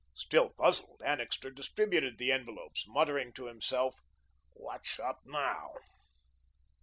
Still puzzled, Annixter distributed the envelopes, muttering to himself: "What's up now?"